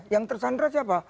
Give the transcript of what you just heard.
yang tersandra siapa